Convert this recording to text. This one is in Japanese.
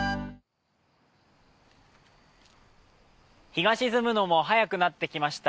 日が沈むのも早くなってきました。